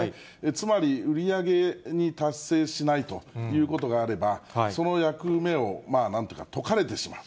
つまり、売り上げに達成しないということがあれば、その役目を、なんというか、解かれてしまう。